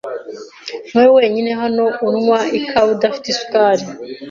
Niwowe wenyine hano unywa ikawa idafite isukari.